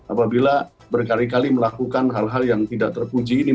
apabila berkali kali melakukan hal hal yang tidak terpuji ini